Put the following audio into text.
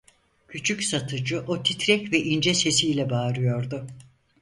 Küçük satıcı, o titrek ve ince sesiyle bağırıyordu.